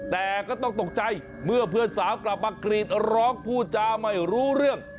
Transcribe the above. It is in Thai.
แต่ก็ต้องตกใจเมื่อเพื่อนสาวกลับมากรีดร้องพูดจาไม่รู้เรื่อง